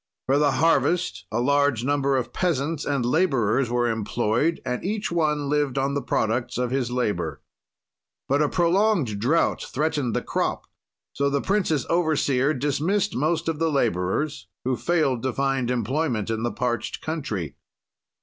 "For the harvest, a large number of peasants and laborers were employed and each one lived on the products of his labor. "But a prolonged drought threatened the crop; so the prince's overseer dismissed most of the laborers, who failed to find employment in the parched country.